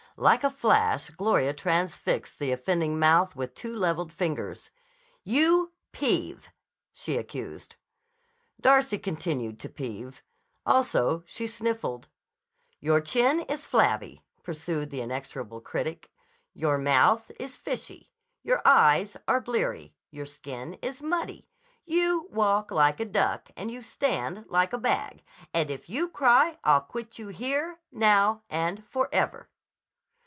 Like a flash, Gloria transfixed the offending mouth with two leveled fingers. "You peeve," she accused. Darcy continued to peeve. Also she sniffled. "Your chin is flabby," pursued the inexorable critic. "Your mouth is fishy. Your eyes are bleary. Your skin is muddy. You walk like a duck, and you stand like a bag. And if you cry I'll quit you here, now, and forever."